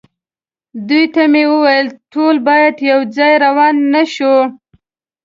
دوی ته مې وویل: ټول باید یو ځای روان نه شو.